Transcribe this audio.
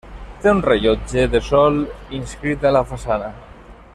Té un rellotge de sol inscrit en la façana.